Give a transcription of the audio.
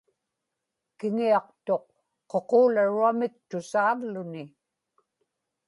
kiŋiaqtuq ququularuamik tusaavluni